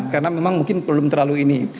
karena memang mungkin belum terlalu ini